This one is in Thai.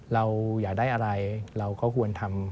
เราอยากได้อะไรเราก็ควรทำ